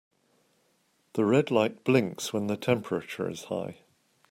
The red light blinks when the temperature is high.